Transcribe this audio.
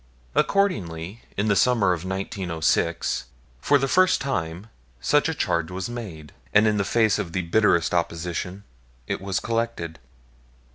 Accordingly, in the summer of 1906, for the first time, such a charge was made; and, in the face of the bitterest opposition, it was collected.